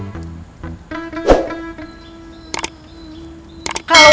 di sekitar sini